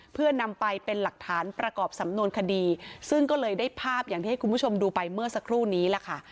เพื่อนำไปเป็นหลักฐานประกอบสำนวนคดีซึ่งก็เลยได้ภาพอย่างที่ให้คุณผู้ชมดูไปเมื่อสักครู่นี้ล่ะค่ะ